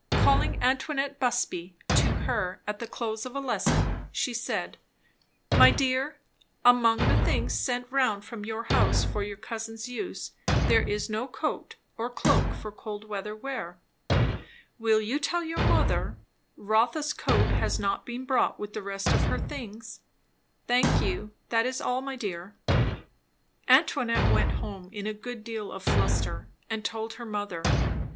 Calling Antoinette Busby to her, at the close of a lesson, she said, "My dear, among the things sent round from your house for your cousin's use, there is no coat or cloak for cold weather wear. Will you tell your mother, Rotha's coat has not been brought with the rest of her things? Thank you. That is all, my dear." Antoinette went home in a good deal of a fluster, and told her mother.